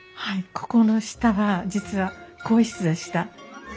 ここの下は実は更衣室でした。